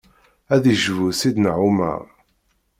Ad yecbu Sidna Ɛumer.